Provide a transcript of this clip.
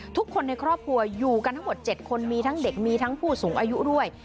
ทุกคนในครอบครัวอยู่กันทั้งหมด๗คนมีทั้งเด็กมีทั้งผู้สูงอายุด้วย